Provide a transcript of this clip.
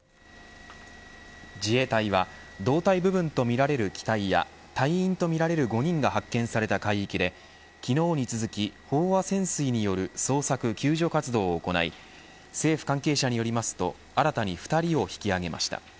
自衛隊は、胴体部分とみられる機体や、隊員とみられる５人が発見された海域で昨日に続き飽和潜水による捜索、救助活動を行い政府関係者によりますと新たに２人を引き上げました。